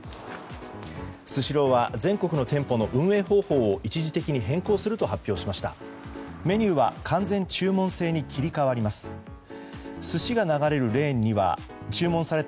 スシローは全国の店舗の運営方法を一時的に変更すると発表しました。